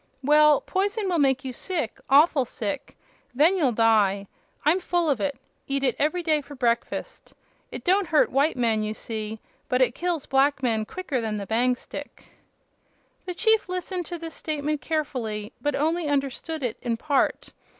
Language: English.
"Well, poison will make you sick awful sick. Then you'll die. I'm full of it; eat it every day for breakfast. It don't hurt white men, you see, but it kills black men quicker than the bang stick." The chief listened to this statement carefully, but only understood it in part.